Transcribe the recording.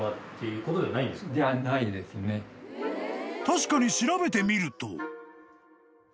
［確かに調べてみると］